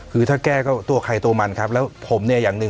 คือถ้าแก้ตัวไข่ตัวมันครับแล้วผมเนี่ย